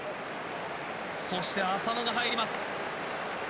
そして浅野が入ります。